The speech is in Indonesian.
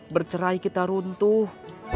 bercerai kita runtuh